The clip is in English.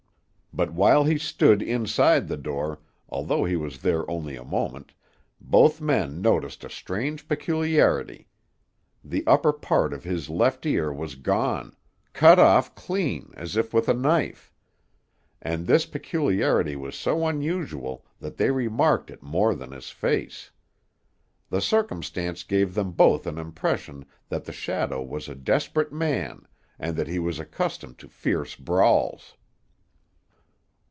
But while he stood inside the door, although he was there only a moment, both men noticed a strange peculiarity. The upper part of his left ear was gone, cut off clean, as if with a knife; and this peculiarity was so unusual that they remarked it more than his face. The circumstance gave them both an impression that the shadow was a desperate man, and that he was accustomed to fierce brawls.